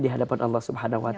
di hadapan allah swt